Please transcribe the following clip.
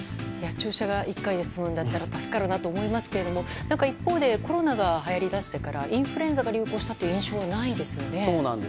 注射が１回で済むんだったら助かるなと思うんですけど一方でコロナがはやりだしてからインフルエンザが流行したという印象はないですよね。